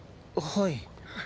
はい。